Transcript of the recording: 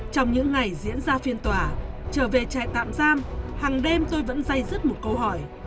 trong những ngày diễn ra phiên tòa trở về trại tạm giam hàng đêm tôi vẫn dây dứt một câu hỏi